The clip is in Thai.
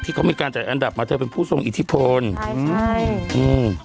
ที่เขามีการจัดอันดับมาเธอเป็นผู้ทรงอิทธิพลใช่อืม